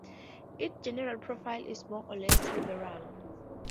Its general profile is more or less liberal.